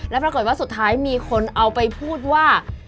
แล้วปรากฏว่าสุดท้ายมีคนเอาไปพูดว่า